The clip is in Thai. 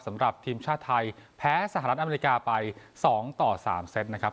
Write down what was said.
สำหรับทีมชาติไทยแพ้สหรัฐอเมริกาไป๒ต่อ๓เซตนะครับ